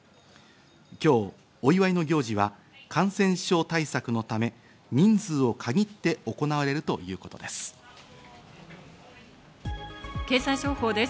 今日お祝いの行事は感染症対策のため人数を限って行われるという経済情報です。